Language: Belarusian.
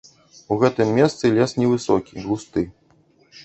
У гэтым месцы лес не высокі, густы.